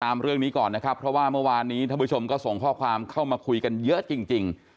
แล้วจิกูมาที่นี้ก่อนค่ะเพราะว่าเมื่อวานนี้ท่านผู้ชมก็ส่งข้อความเข้ามาคุยกันเยอะจริง